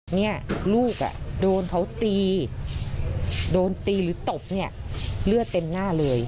เนี่ยลูกอ่ะโดนเขาตีโดนตีหรือตบเนี่ยเลือดเต็มหน้าเลย